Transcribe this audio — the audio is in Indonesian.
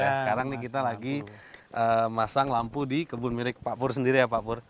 sekarang ini kita lagi masang lampu di kebun milik pak pur sendiri ya pak pur